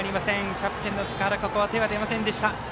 キャプテンの塚原ここは手が出ませんでした。